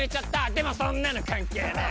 でもそんなの関係ねぇ。